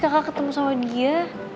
kakak ketemu sama dia